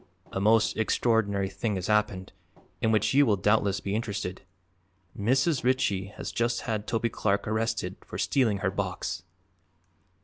"A most extraordinary thing has happened, in which you will doubtless be interested. Mrs. Ritchie has just had Toby Clark arrested for stealing her box!"